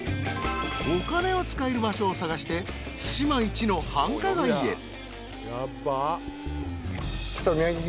［お金を使える場所を探して対馬一の繁華街へ］